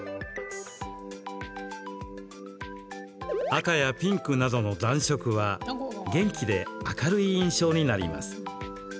赤やピンクなどの暖色は元気で明るい印象になります。